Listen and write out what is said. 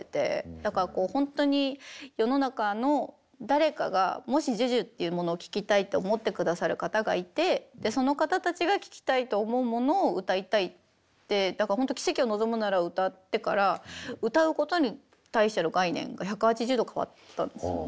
だからこうほんとに世の中の誰かがもしＪＵＪＵってものを聴きたいって思ってくださる方がいてその方たちが聴きたいと思うものを歌いたいって「奇跡を望むなら．．．」を歌ってから歌うことに対しての概念が１８０度変わったんですよね。